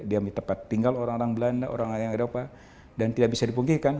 dia memiliki tempat tinggal orang orang belanda orang orang eropa dan tidak bisa dipungkirkan